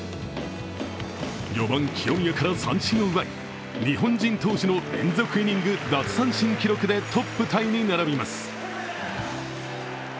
４番・清宮から三振を奪い日本人投手の連続イニング奪三振記録でトップタイに並びます。